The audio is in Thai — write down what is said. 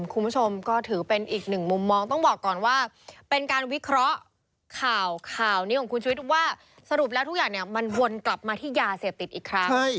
คุณผู้ชมก็ถือเป็นอีกหนึ่งมุมมองต้องบอกก่อนว่าเป็นการวิเคราะห์ข่าวข่าวนี้ของคุณชุวิตว่าสรุปแล้วทุกอย่างเนี่ยมันวนกลับมาที่ยาเสพติดอีกครั้ง